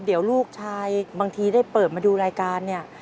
เดี๋ยวลูกชายบางทีได้เปิดมาดูรายการเนี่ย